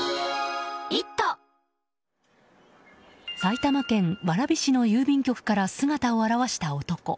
埼玉県蕨市の郵便局から姿を現した男。